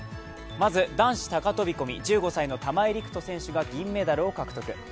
まず男子高飛び込み、１５歳の玉井陸斗選手が銀メダルを獲得。